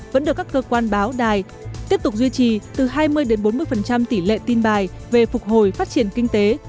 vẫn được các cơ quan báo đài tiếp tục duy trì từ hai mươi bốn mươi tỷ lệ tin bài về phục hồi phát triển kinh tế